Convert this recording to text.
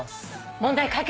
問題解決？